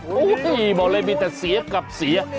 เมาแลมิแต่เสียกับเสีย